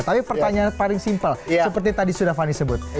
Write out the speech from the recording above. tapi pertanyaan paling simpel seperti tadi sudah fani sebut